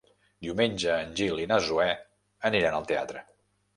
Diumenge en Gil i na Zoè aniran al teatre.